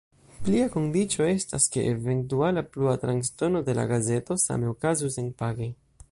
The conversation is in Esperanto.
Plia kondiĉo estas, ke eventuala plua transdono de la gazeto same okazu senpage.